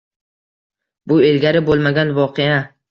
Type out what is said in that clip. Bu ilgari bo'lmagan voqea